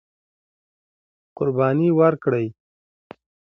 قرباني ورکړئ.